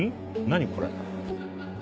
何これ？